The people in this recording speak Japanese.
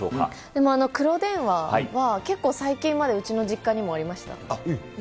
でも黒電話は、結構最近までうちの実家にもありました。